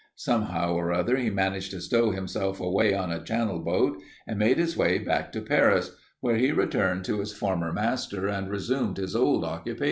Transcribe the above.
Somehow or other he managed to stow himself away on a Channel boat and made his way back to Paris, where he returned to his former master and resumed his old occupation."